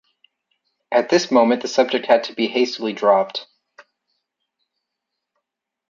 At this moment the subject had to be hastily dropped.